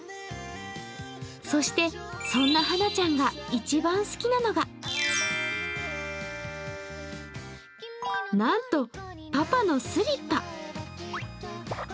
そして、そんなはなちゃんが一番好きなのがなんと、パパのスリッパ。